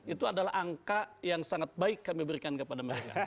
itu adalah angka yang sangat baik kami berikan kepada mereka